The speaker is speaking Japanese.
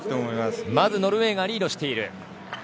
まず、ノルウェーがリードしている。